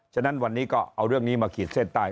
ฉะนั้นวันนี้ก็เอาเรื่องนี้มาขีดเส้นใต้